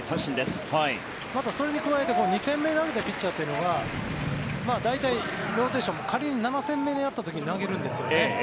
またそれに加えて２戦目を投げたピッチャーというのは大体ローテーションも仮に７戦目やったところで投げるんですよね。